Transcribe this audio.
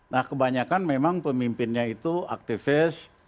nah kebanyakan memang pemimpinnya itu aktivis